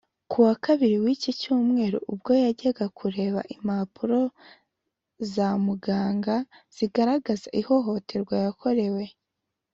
Ku wa kabiri w’iki cyumweru ubwo yajyaga kureba impapuro za muganga zigaragaza ihohoterwa yakorewe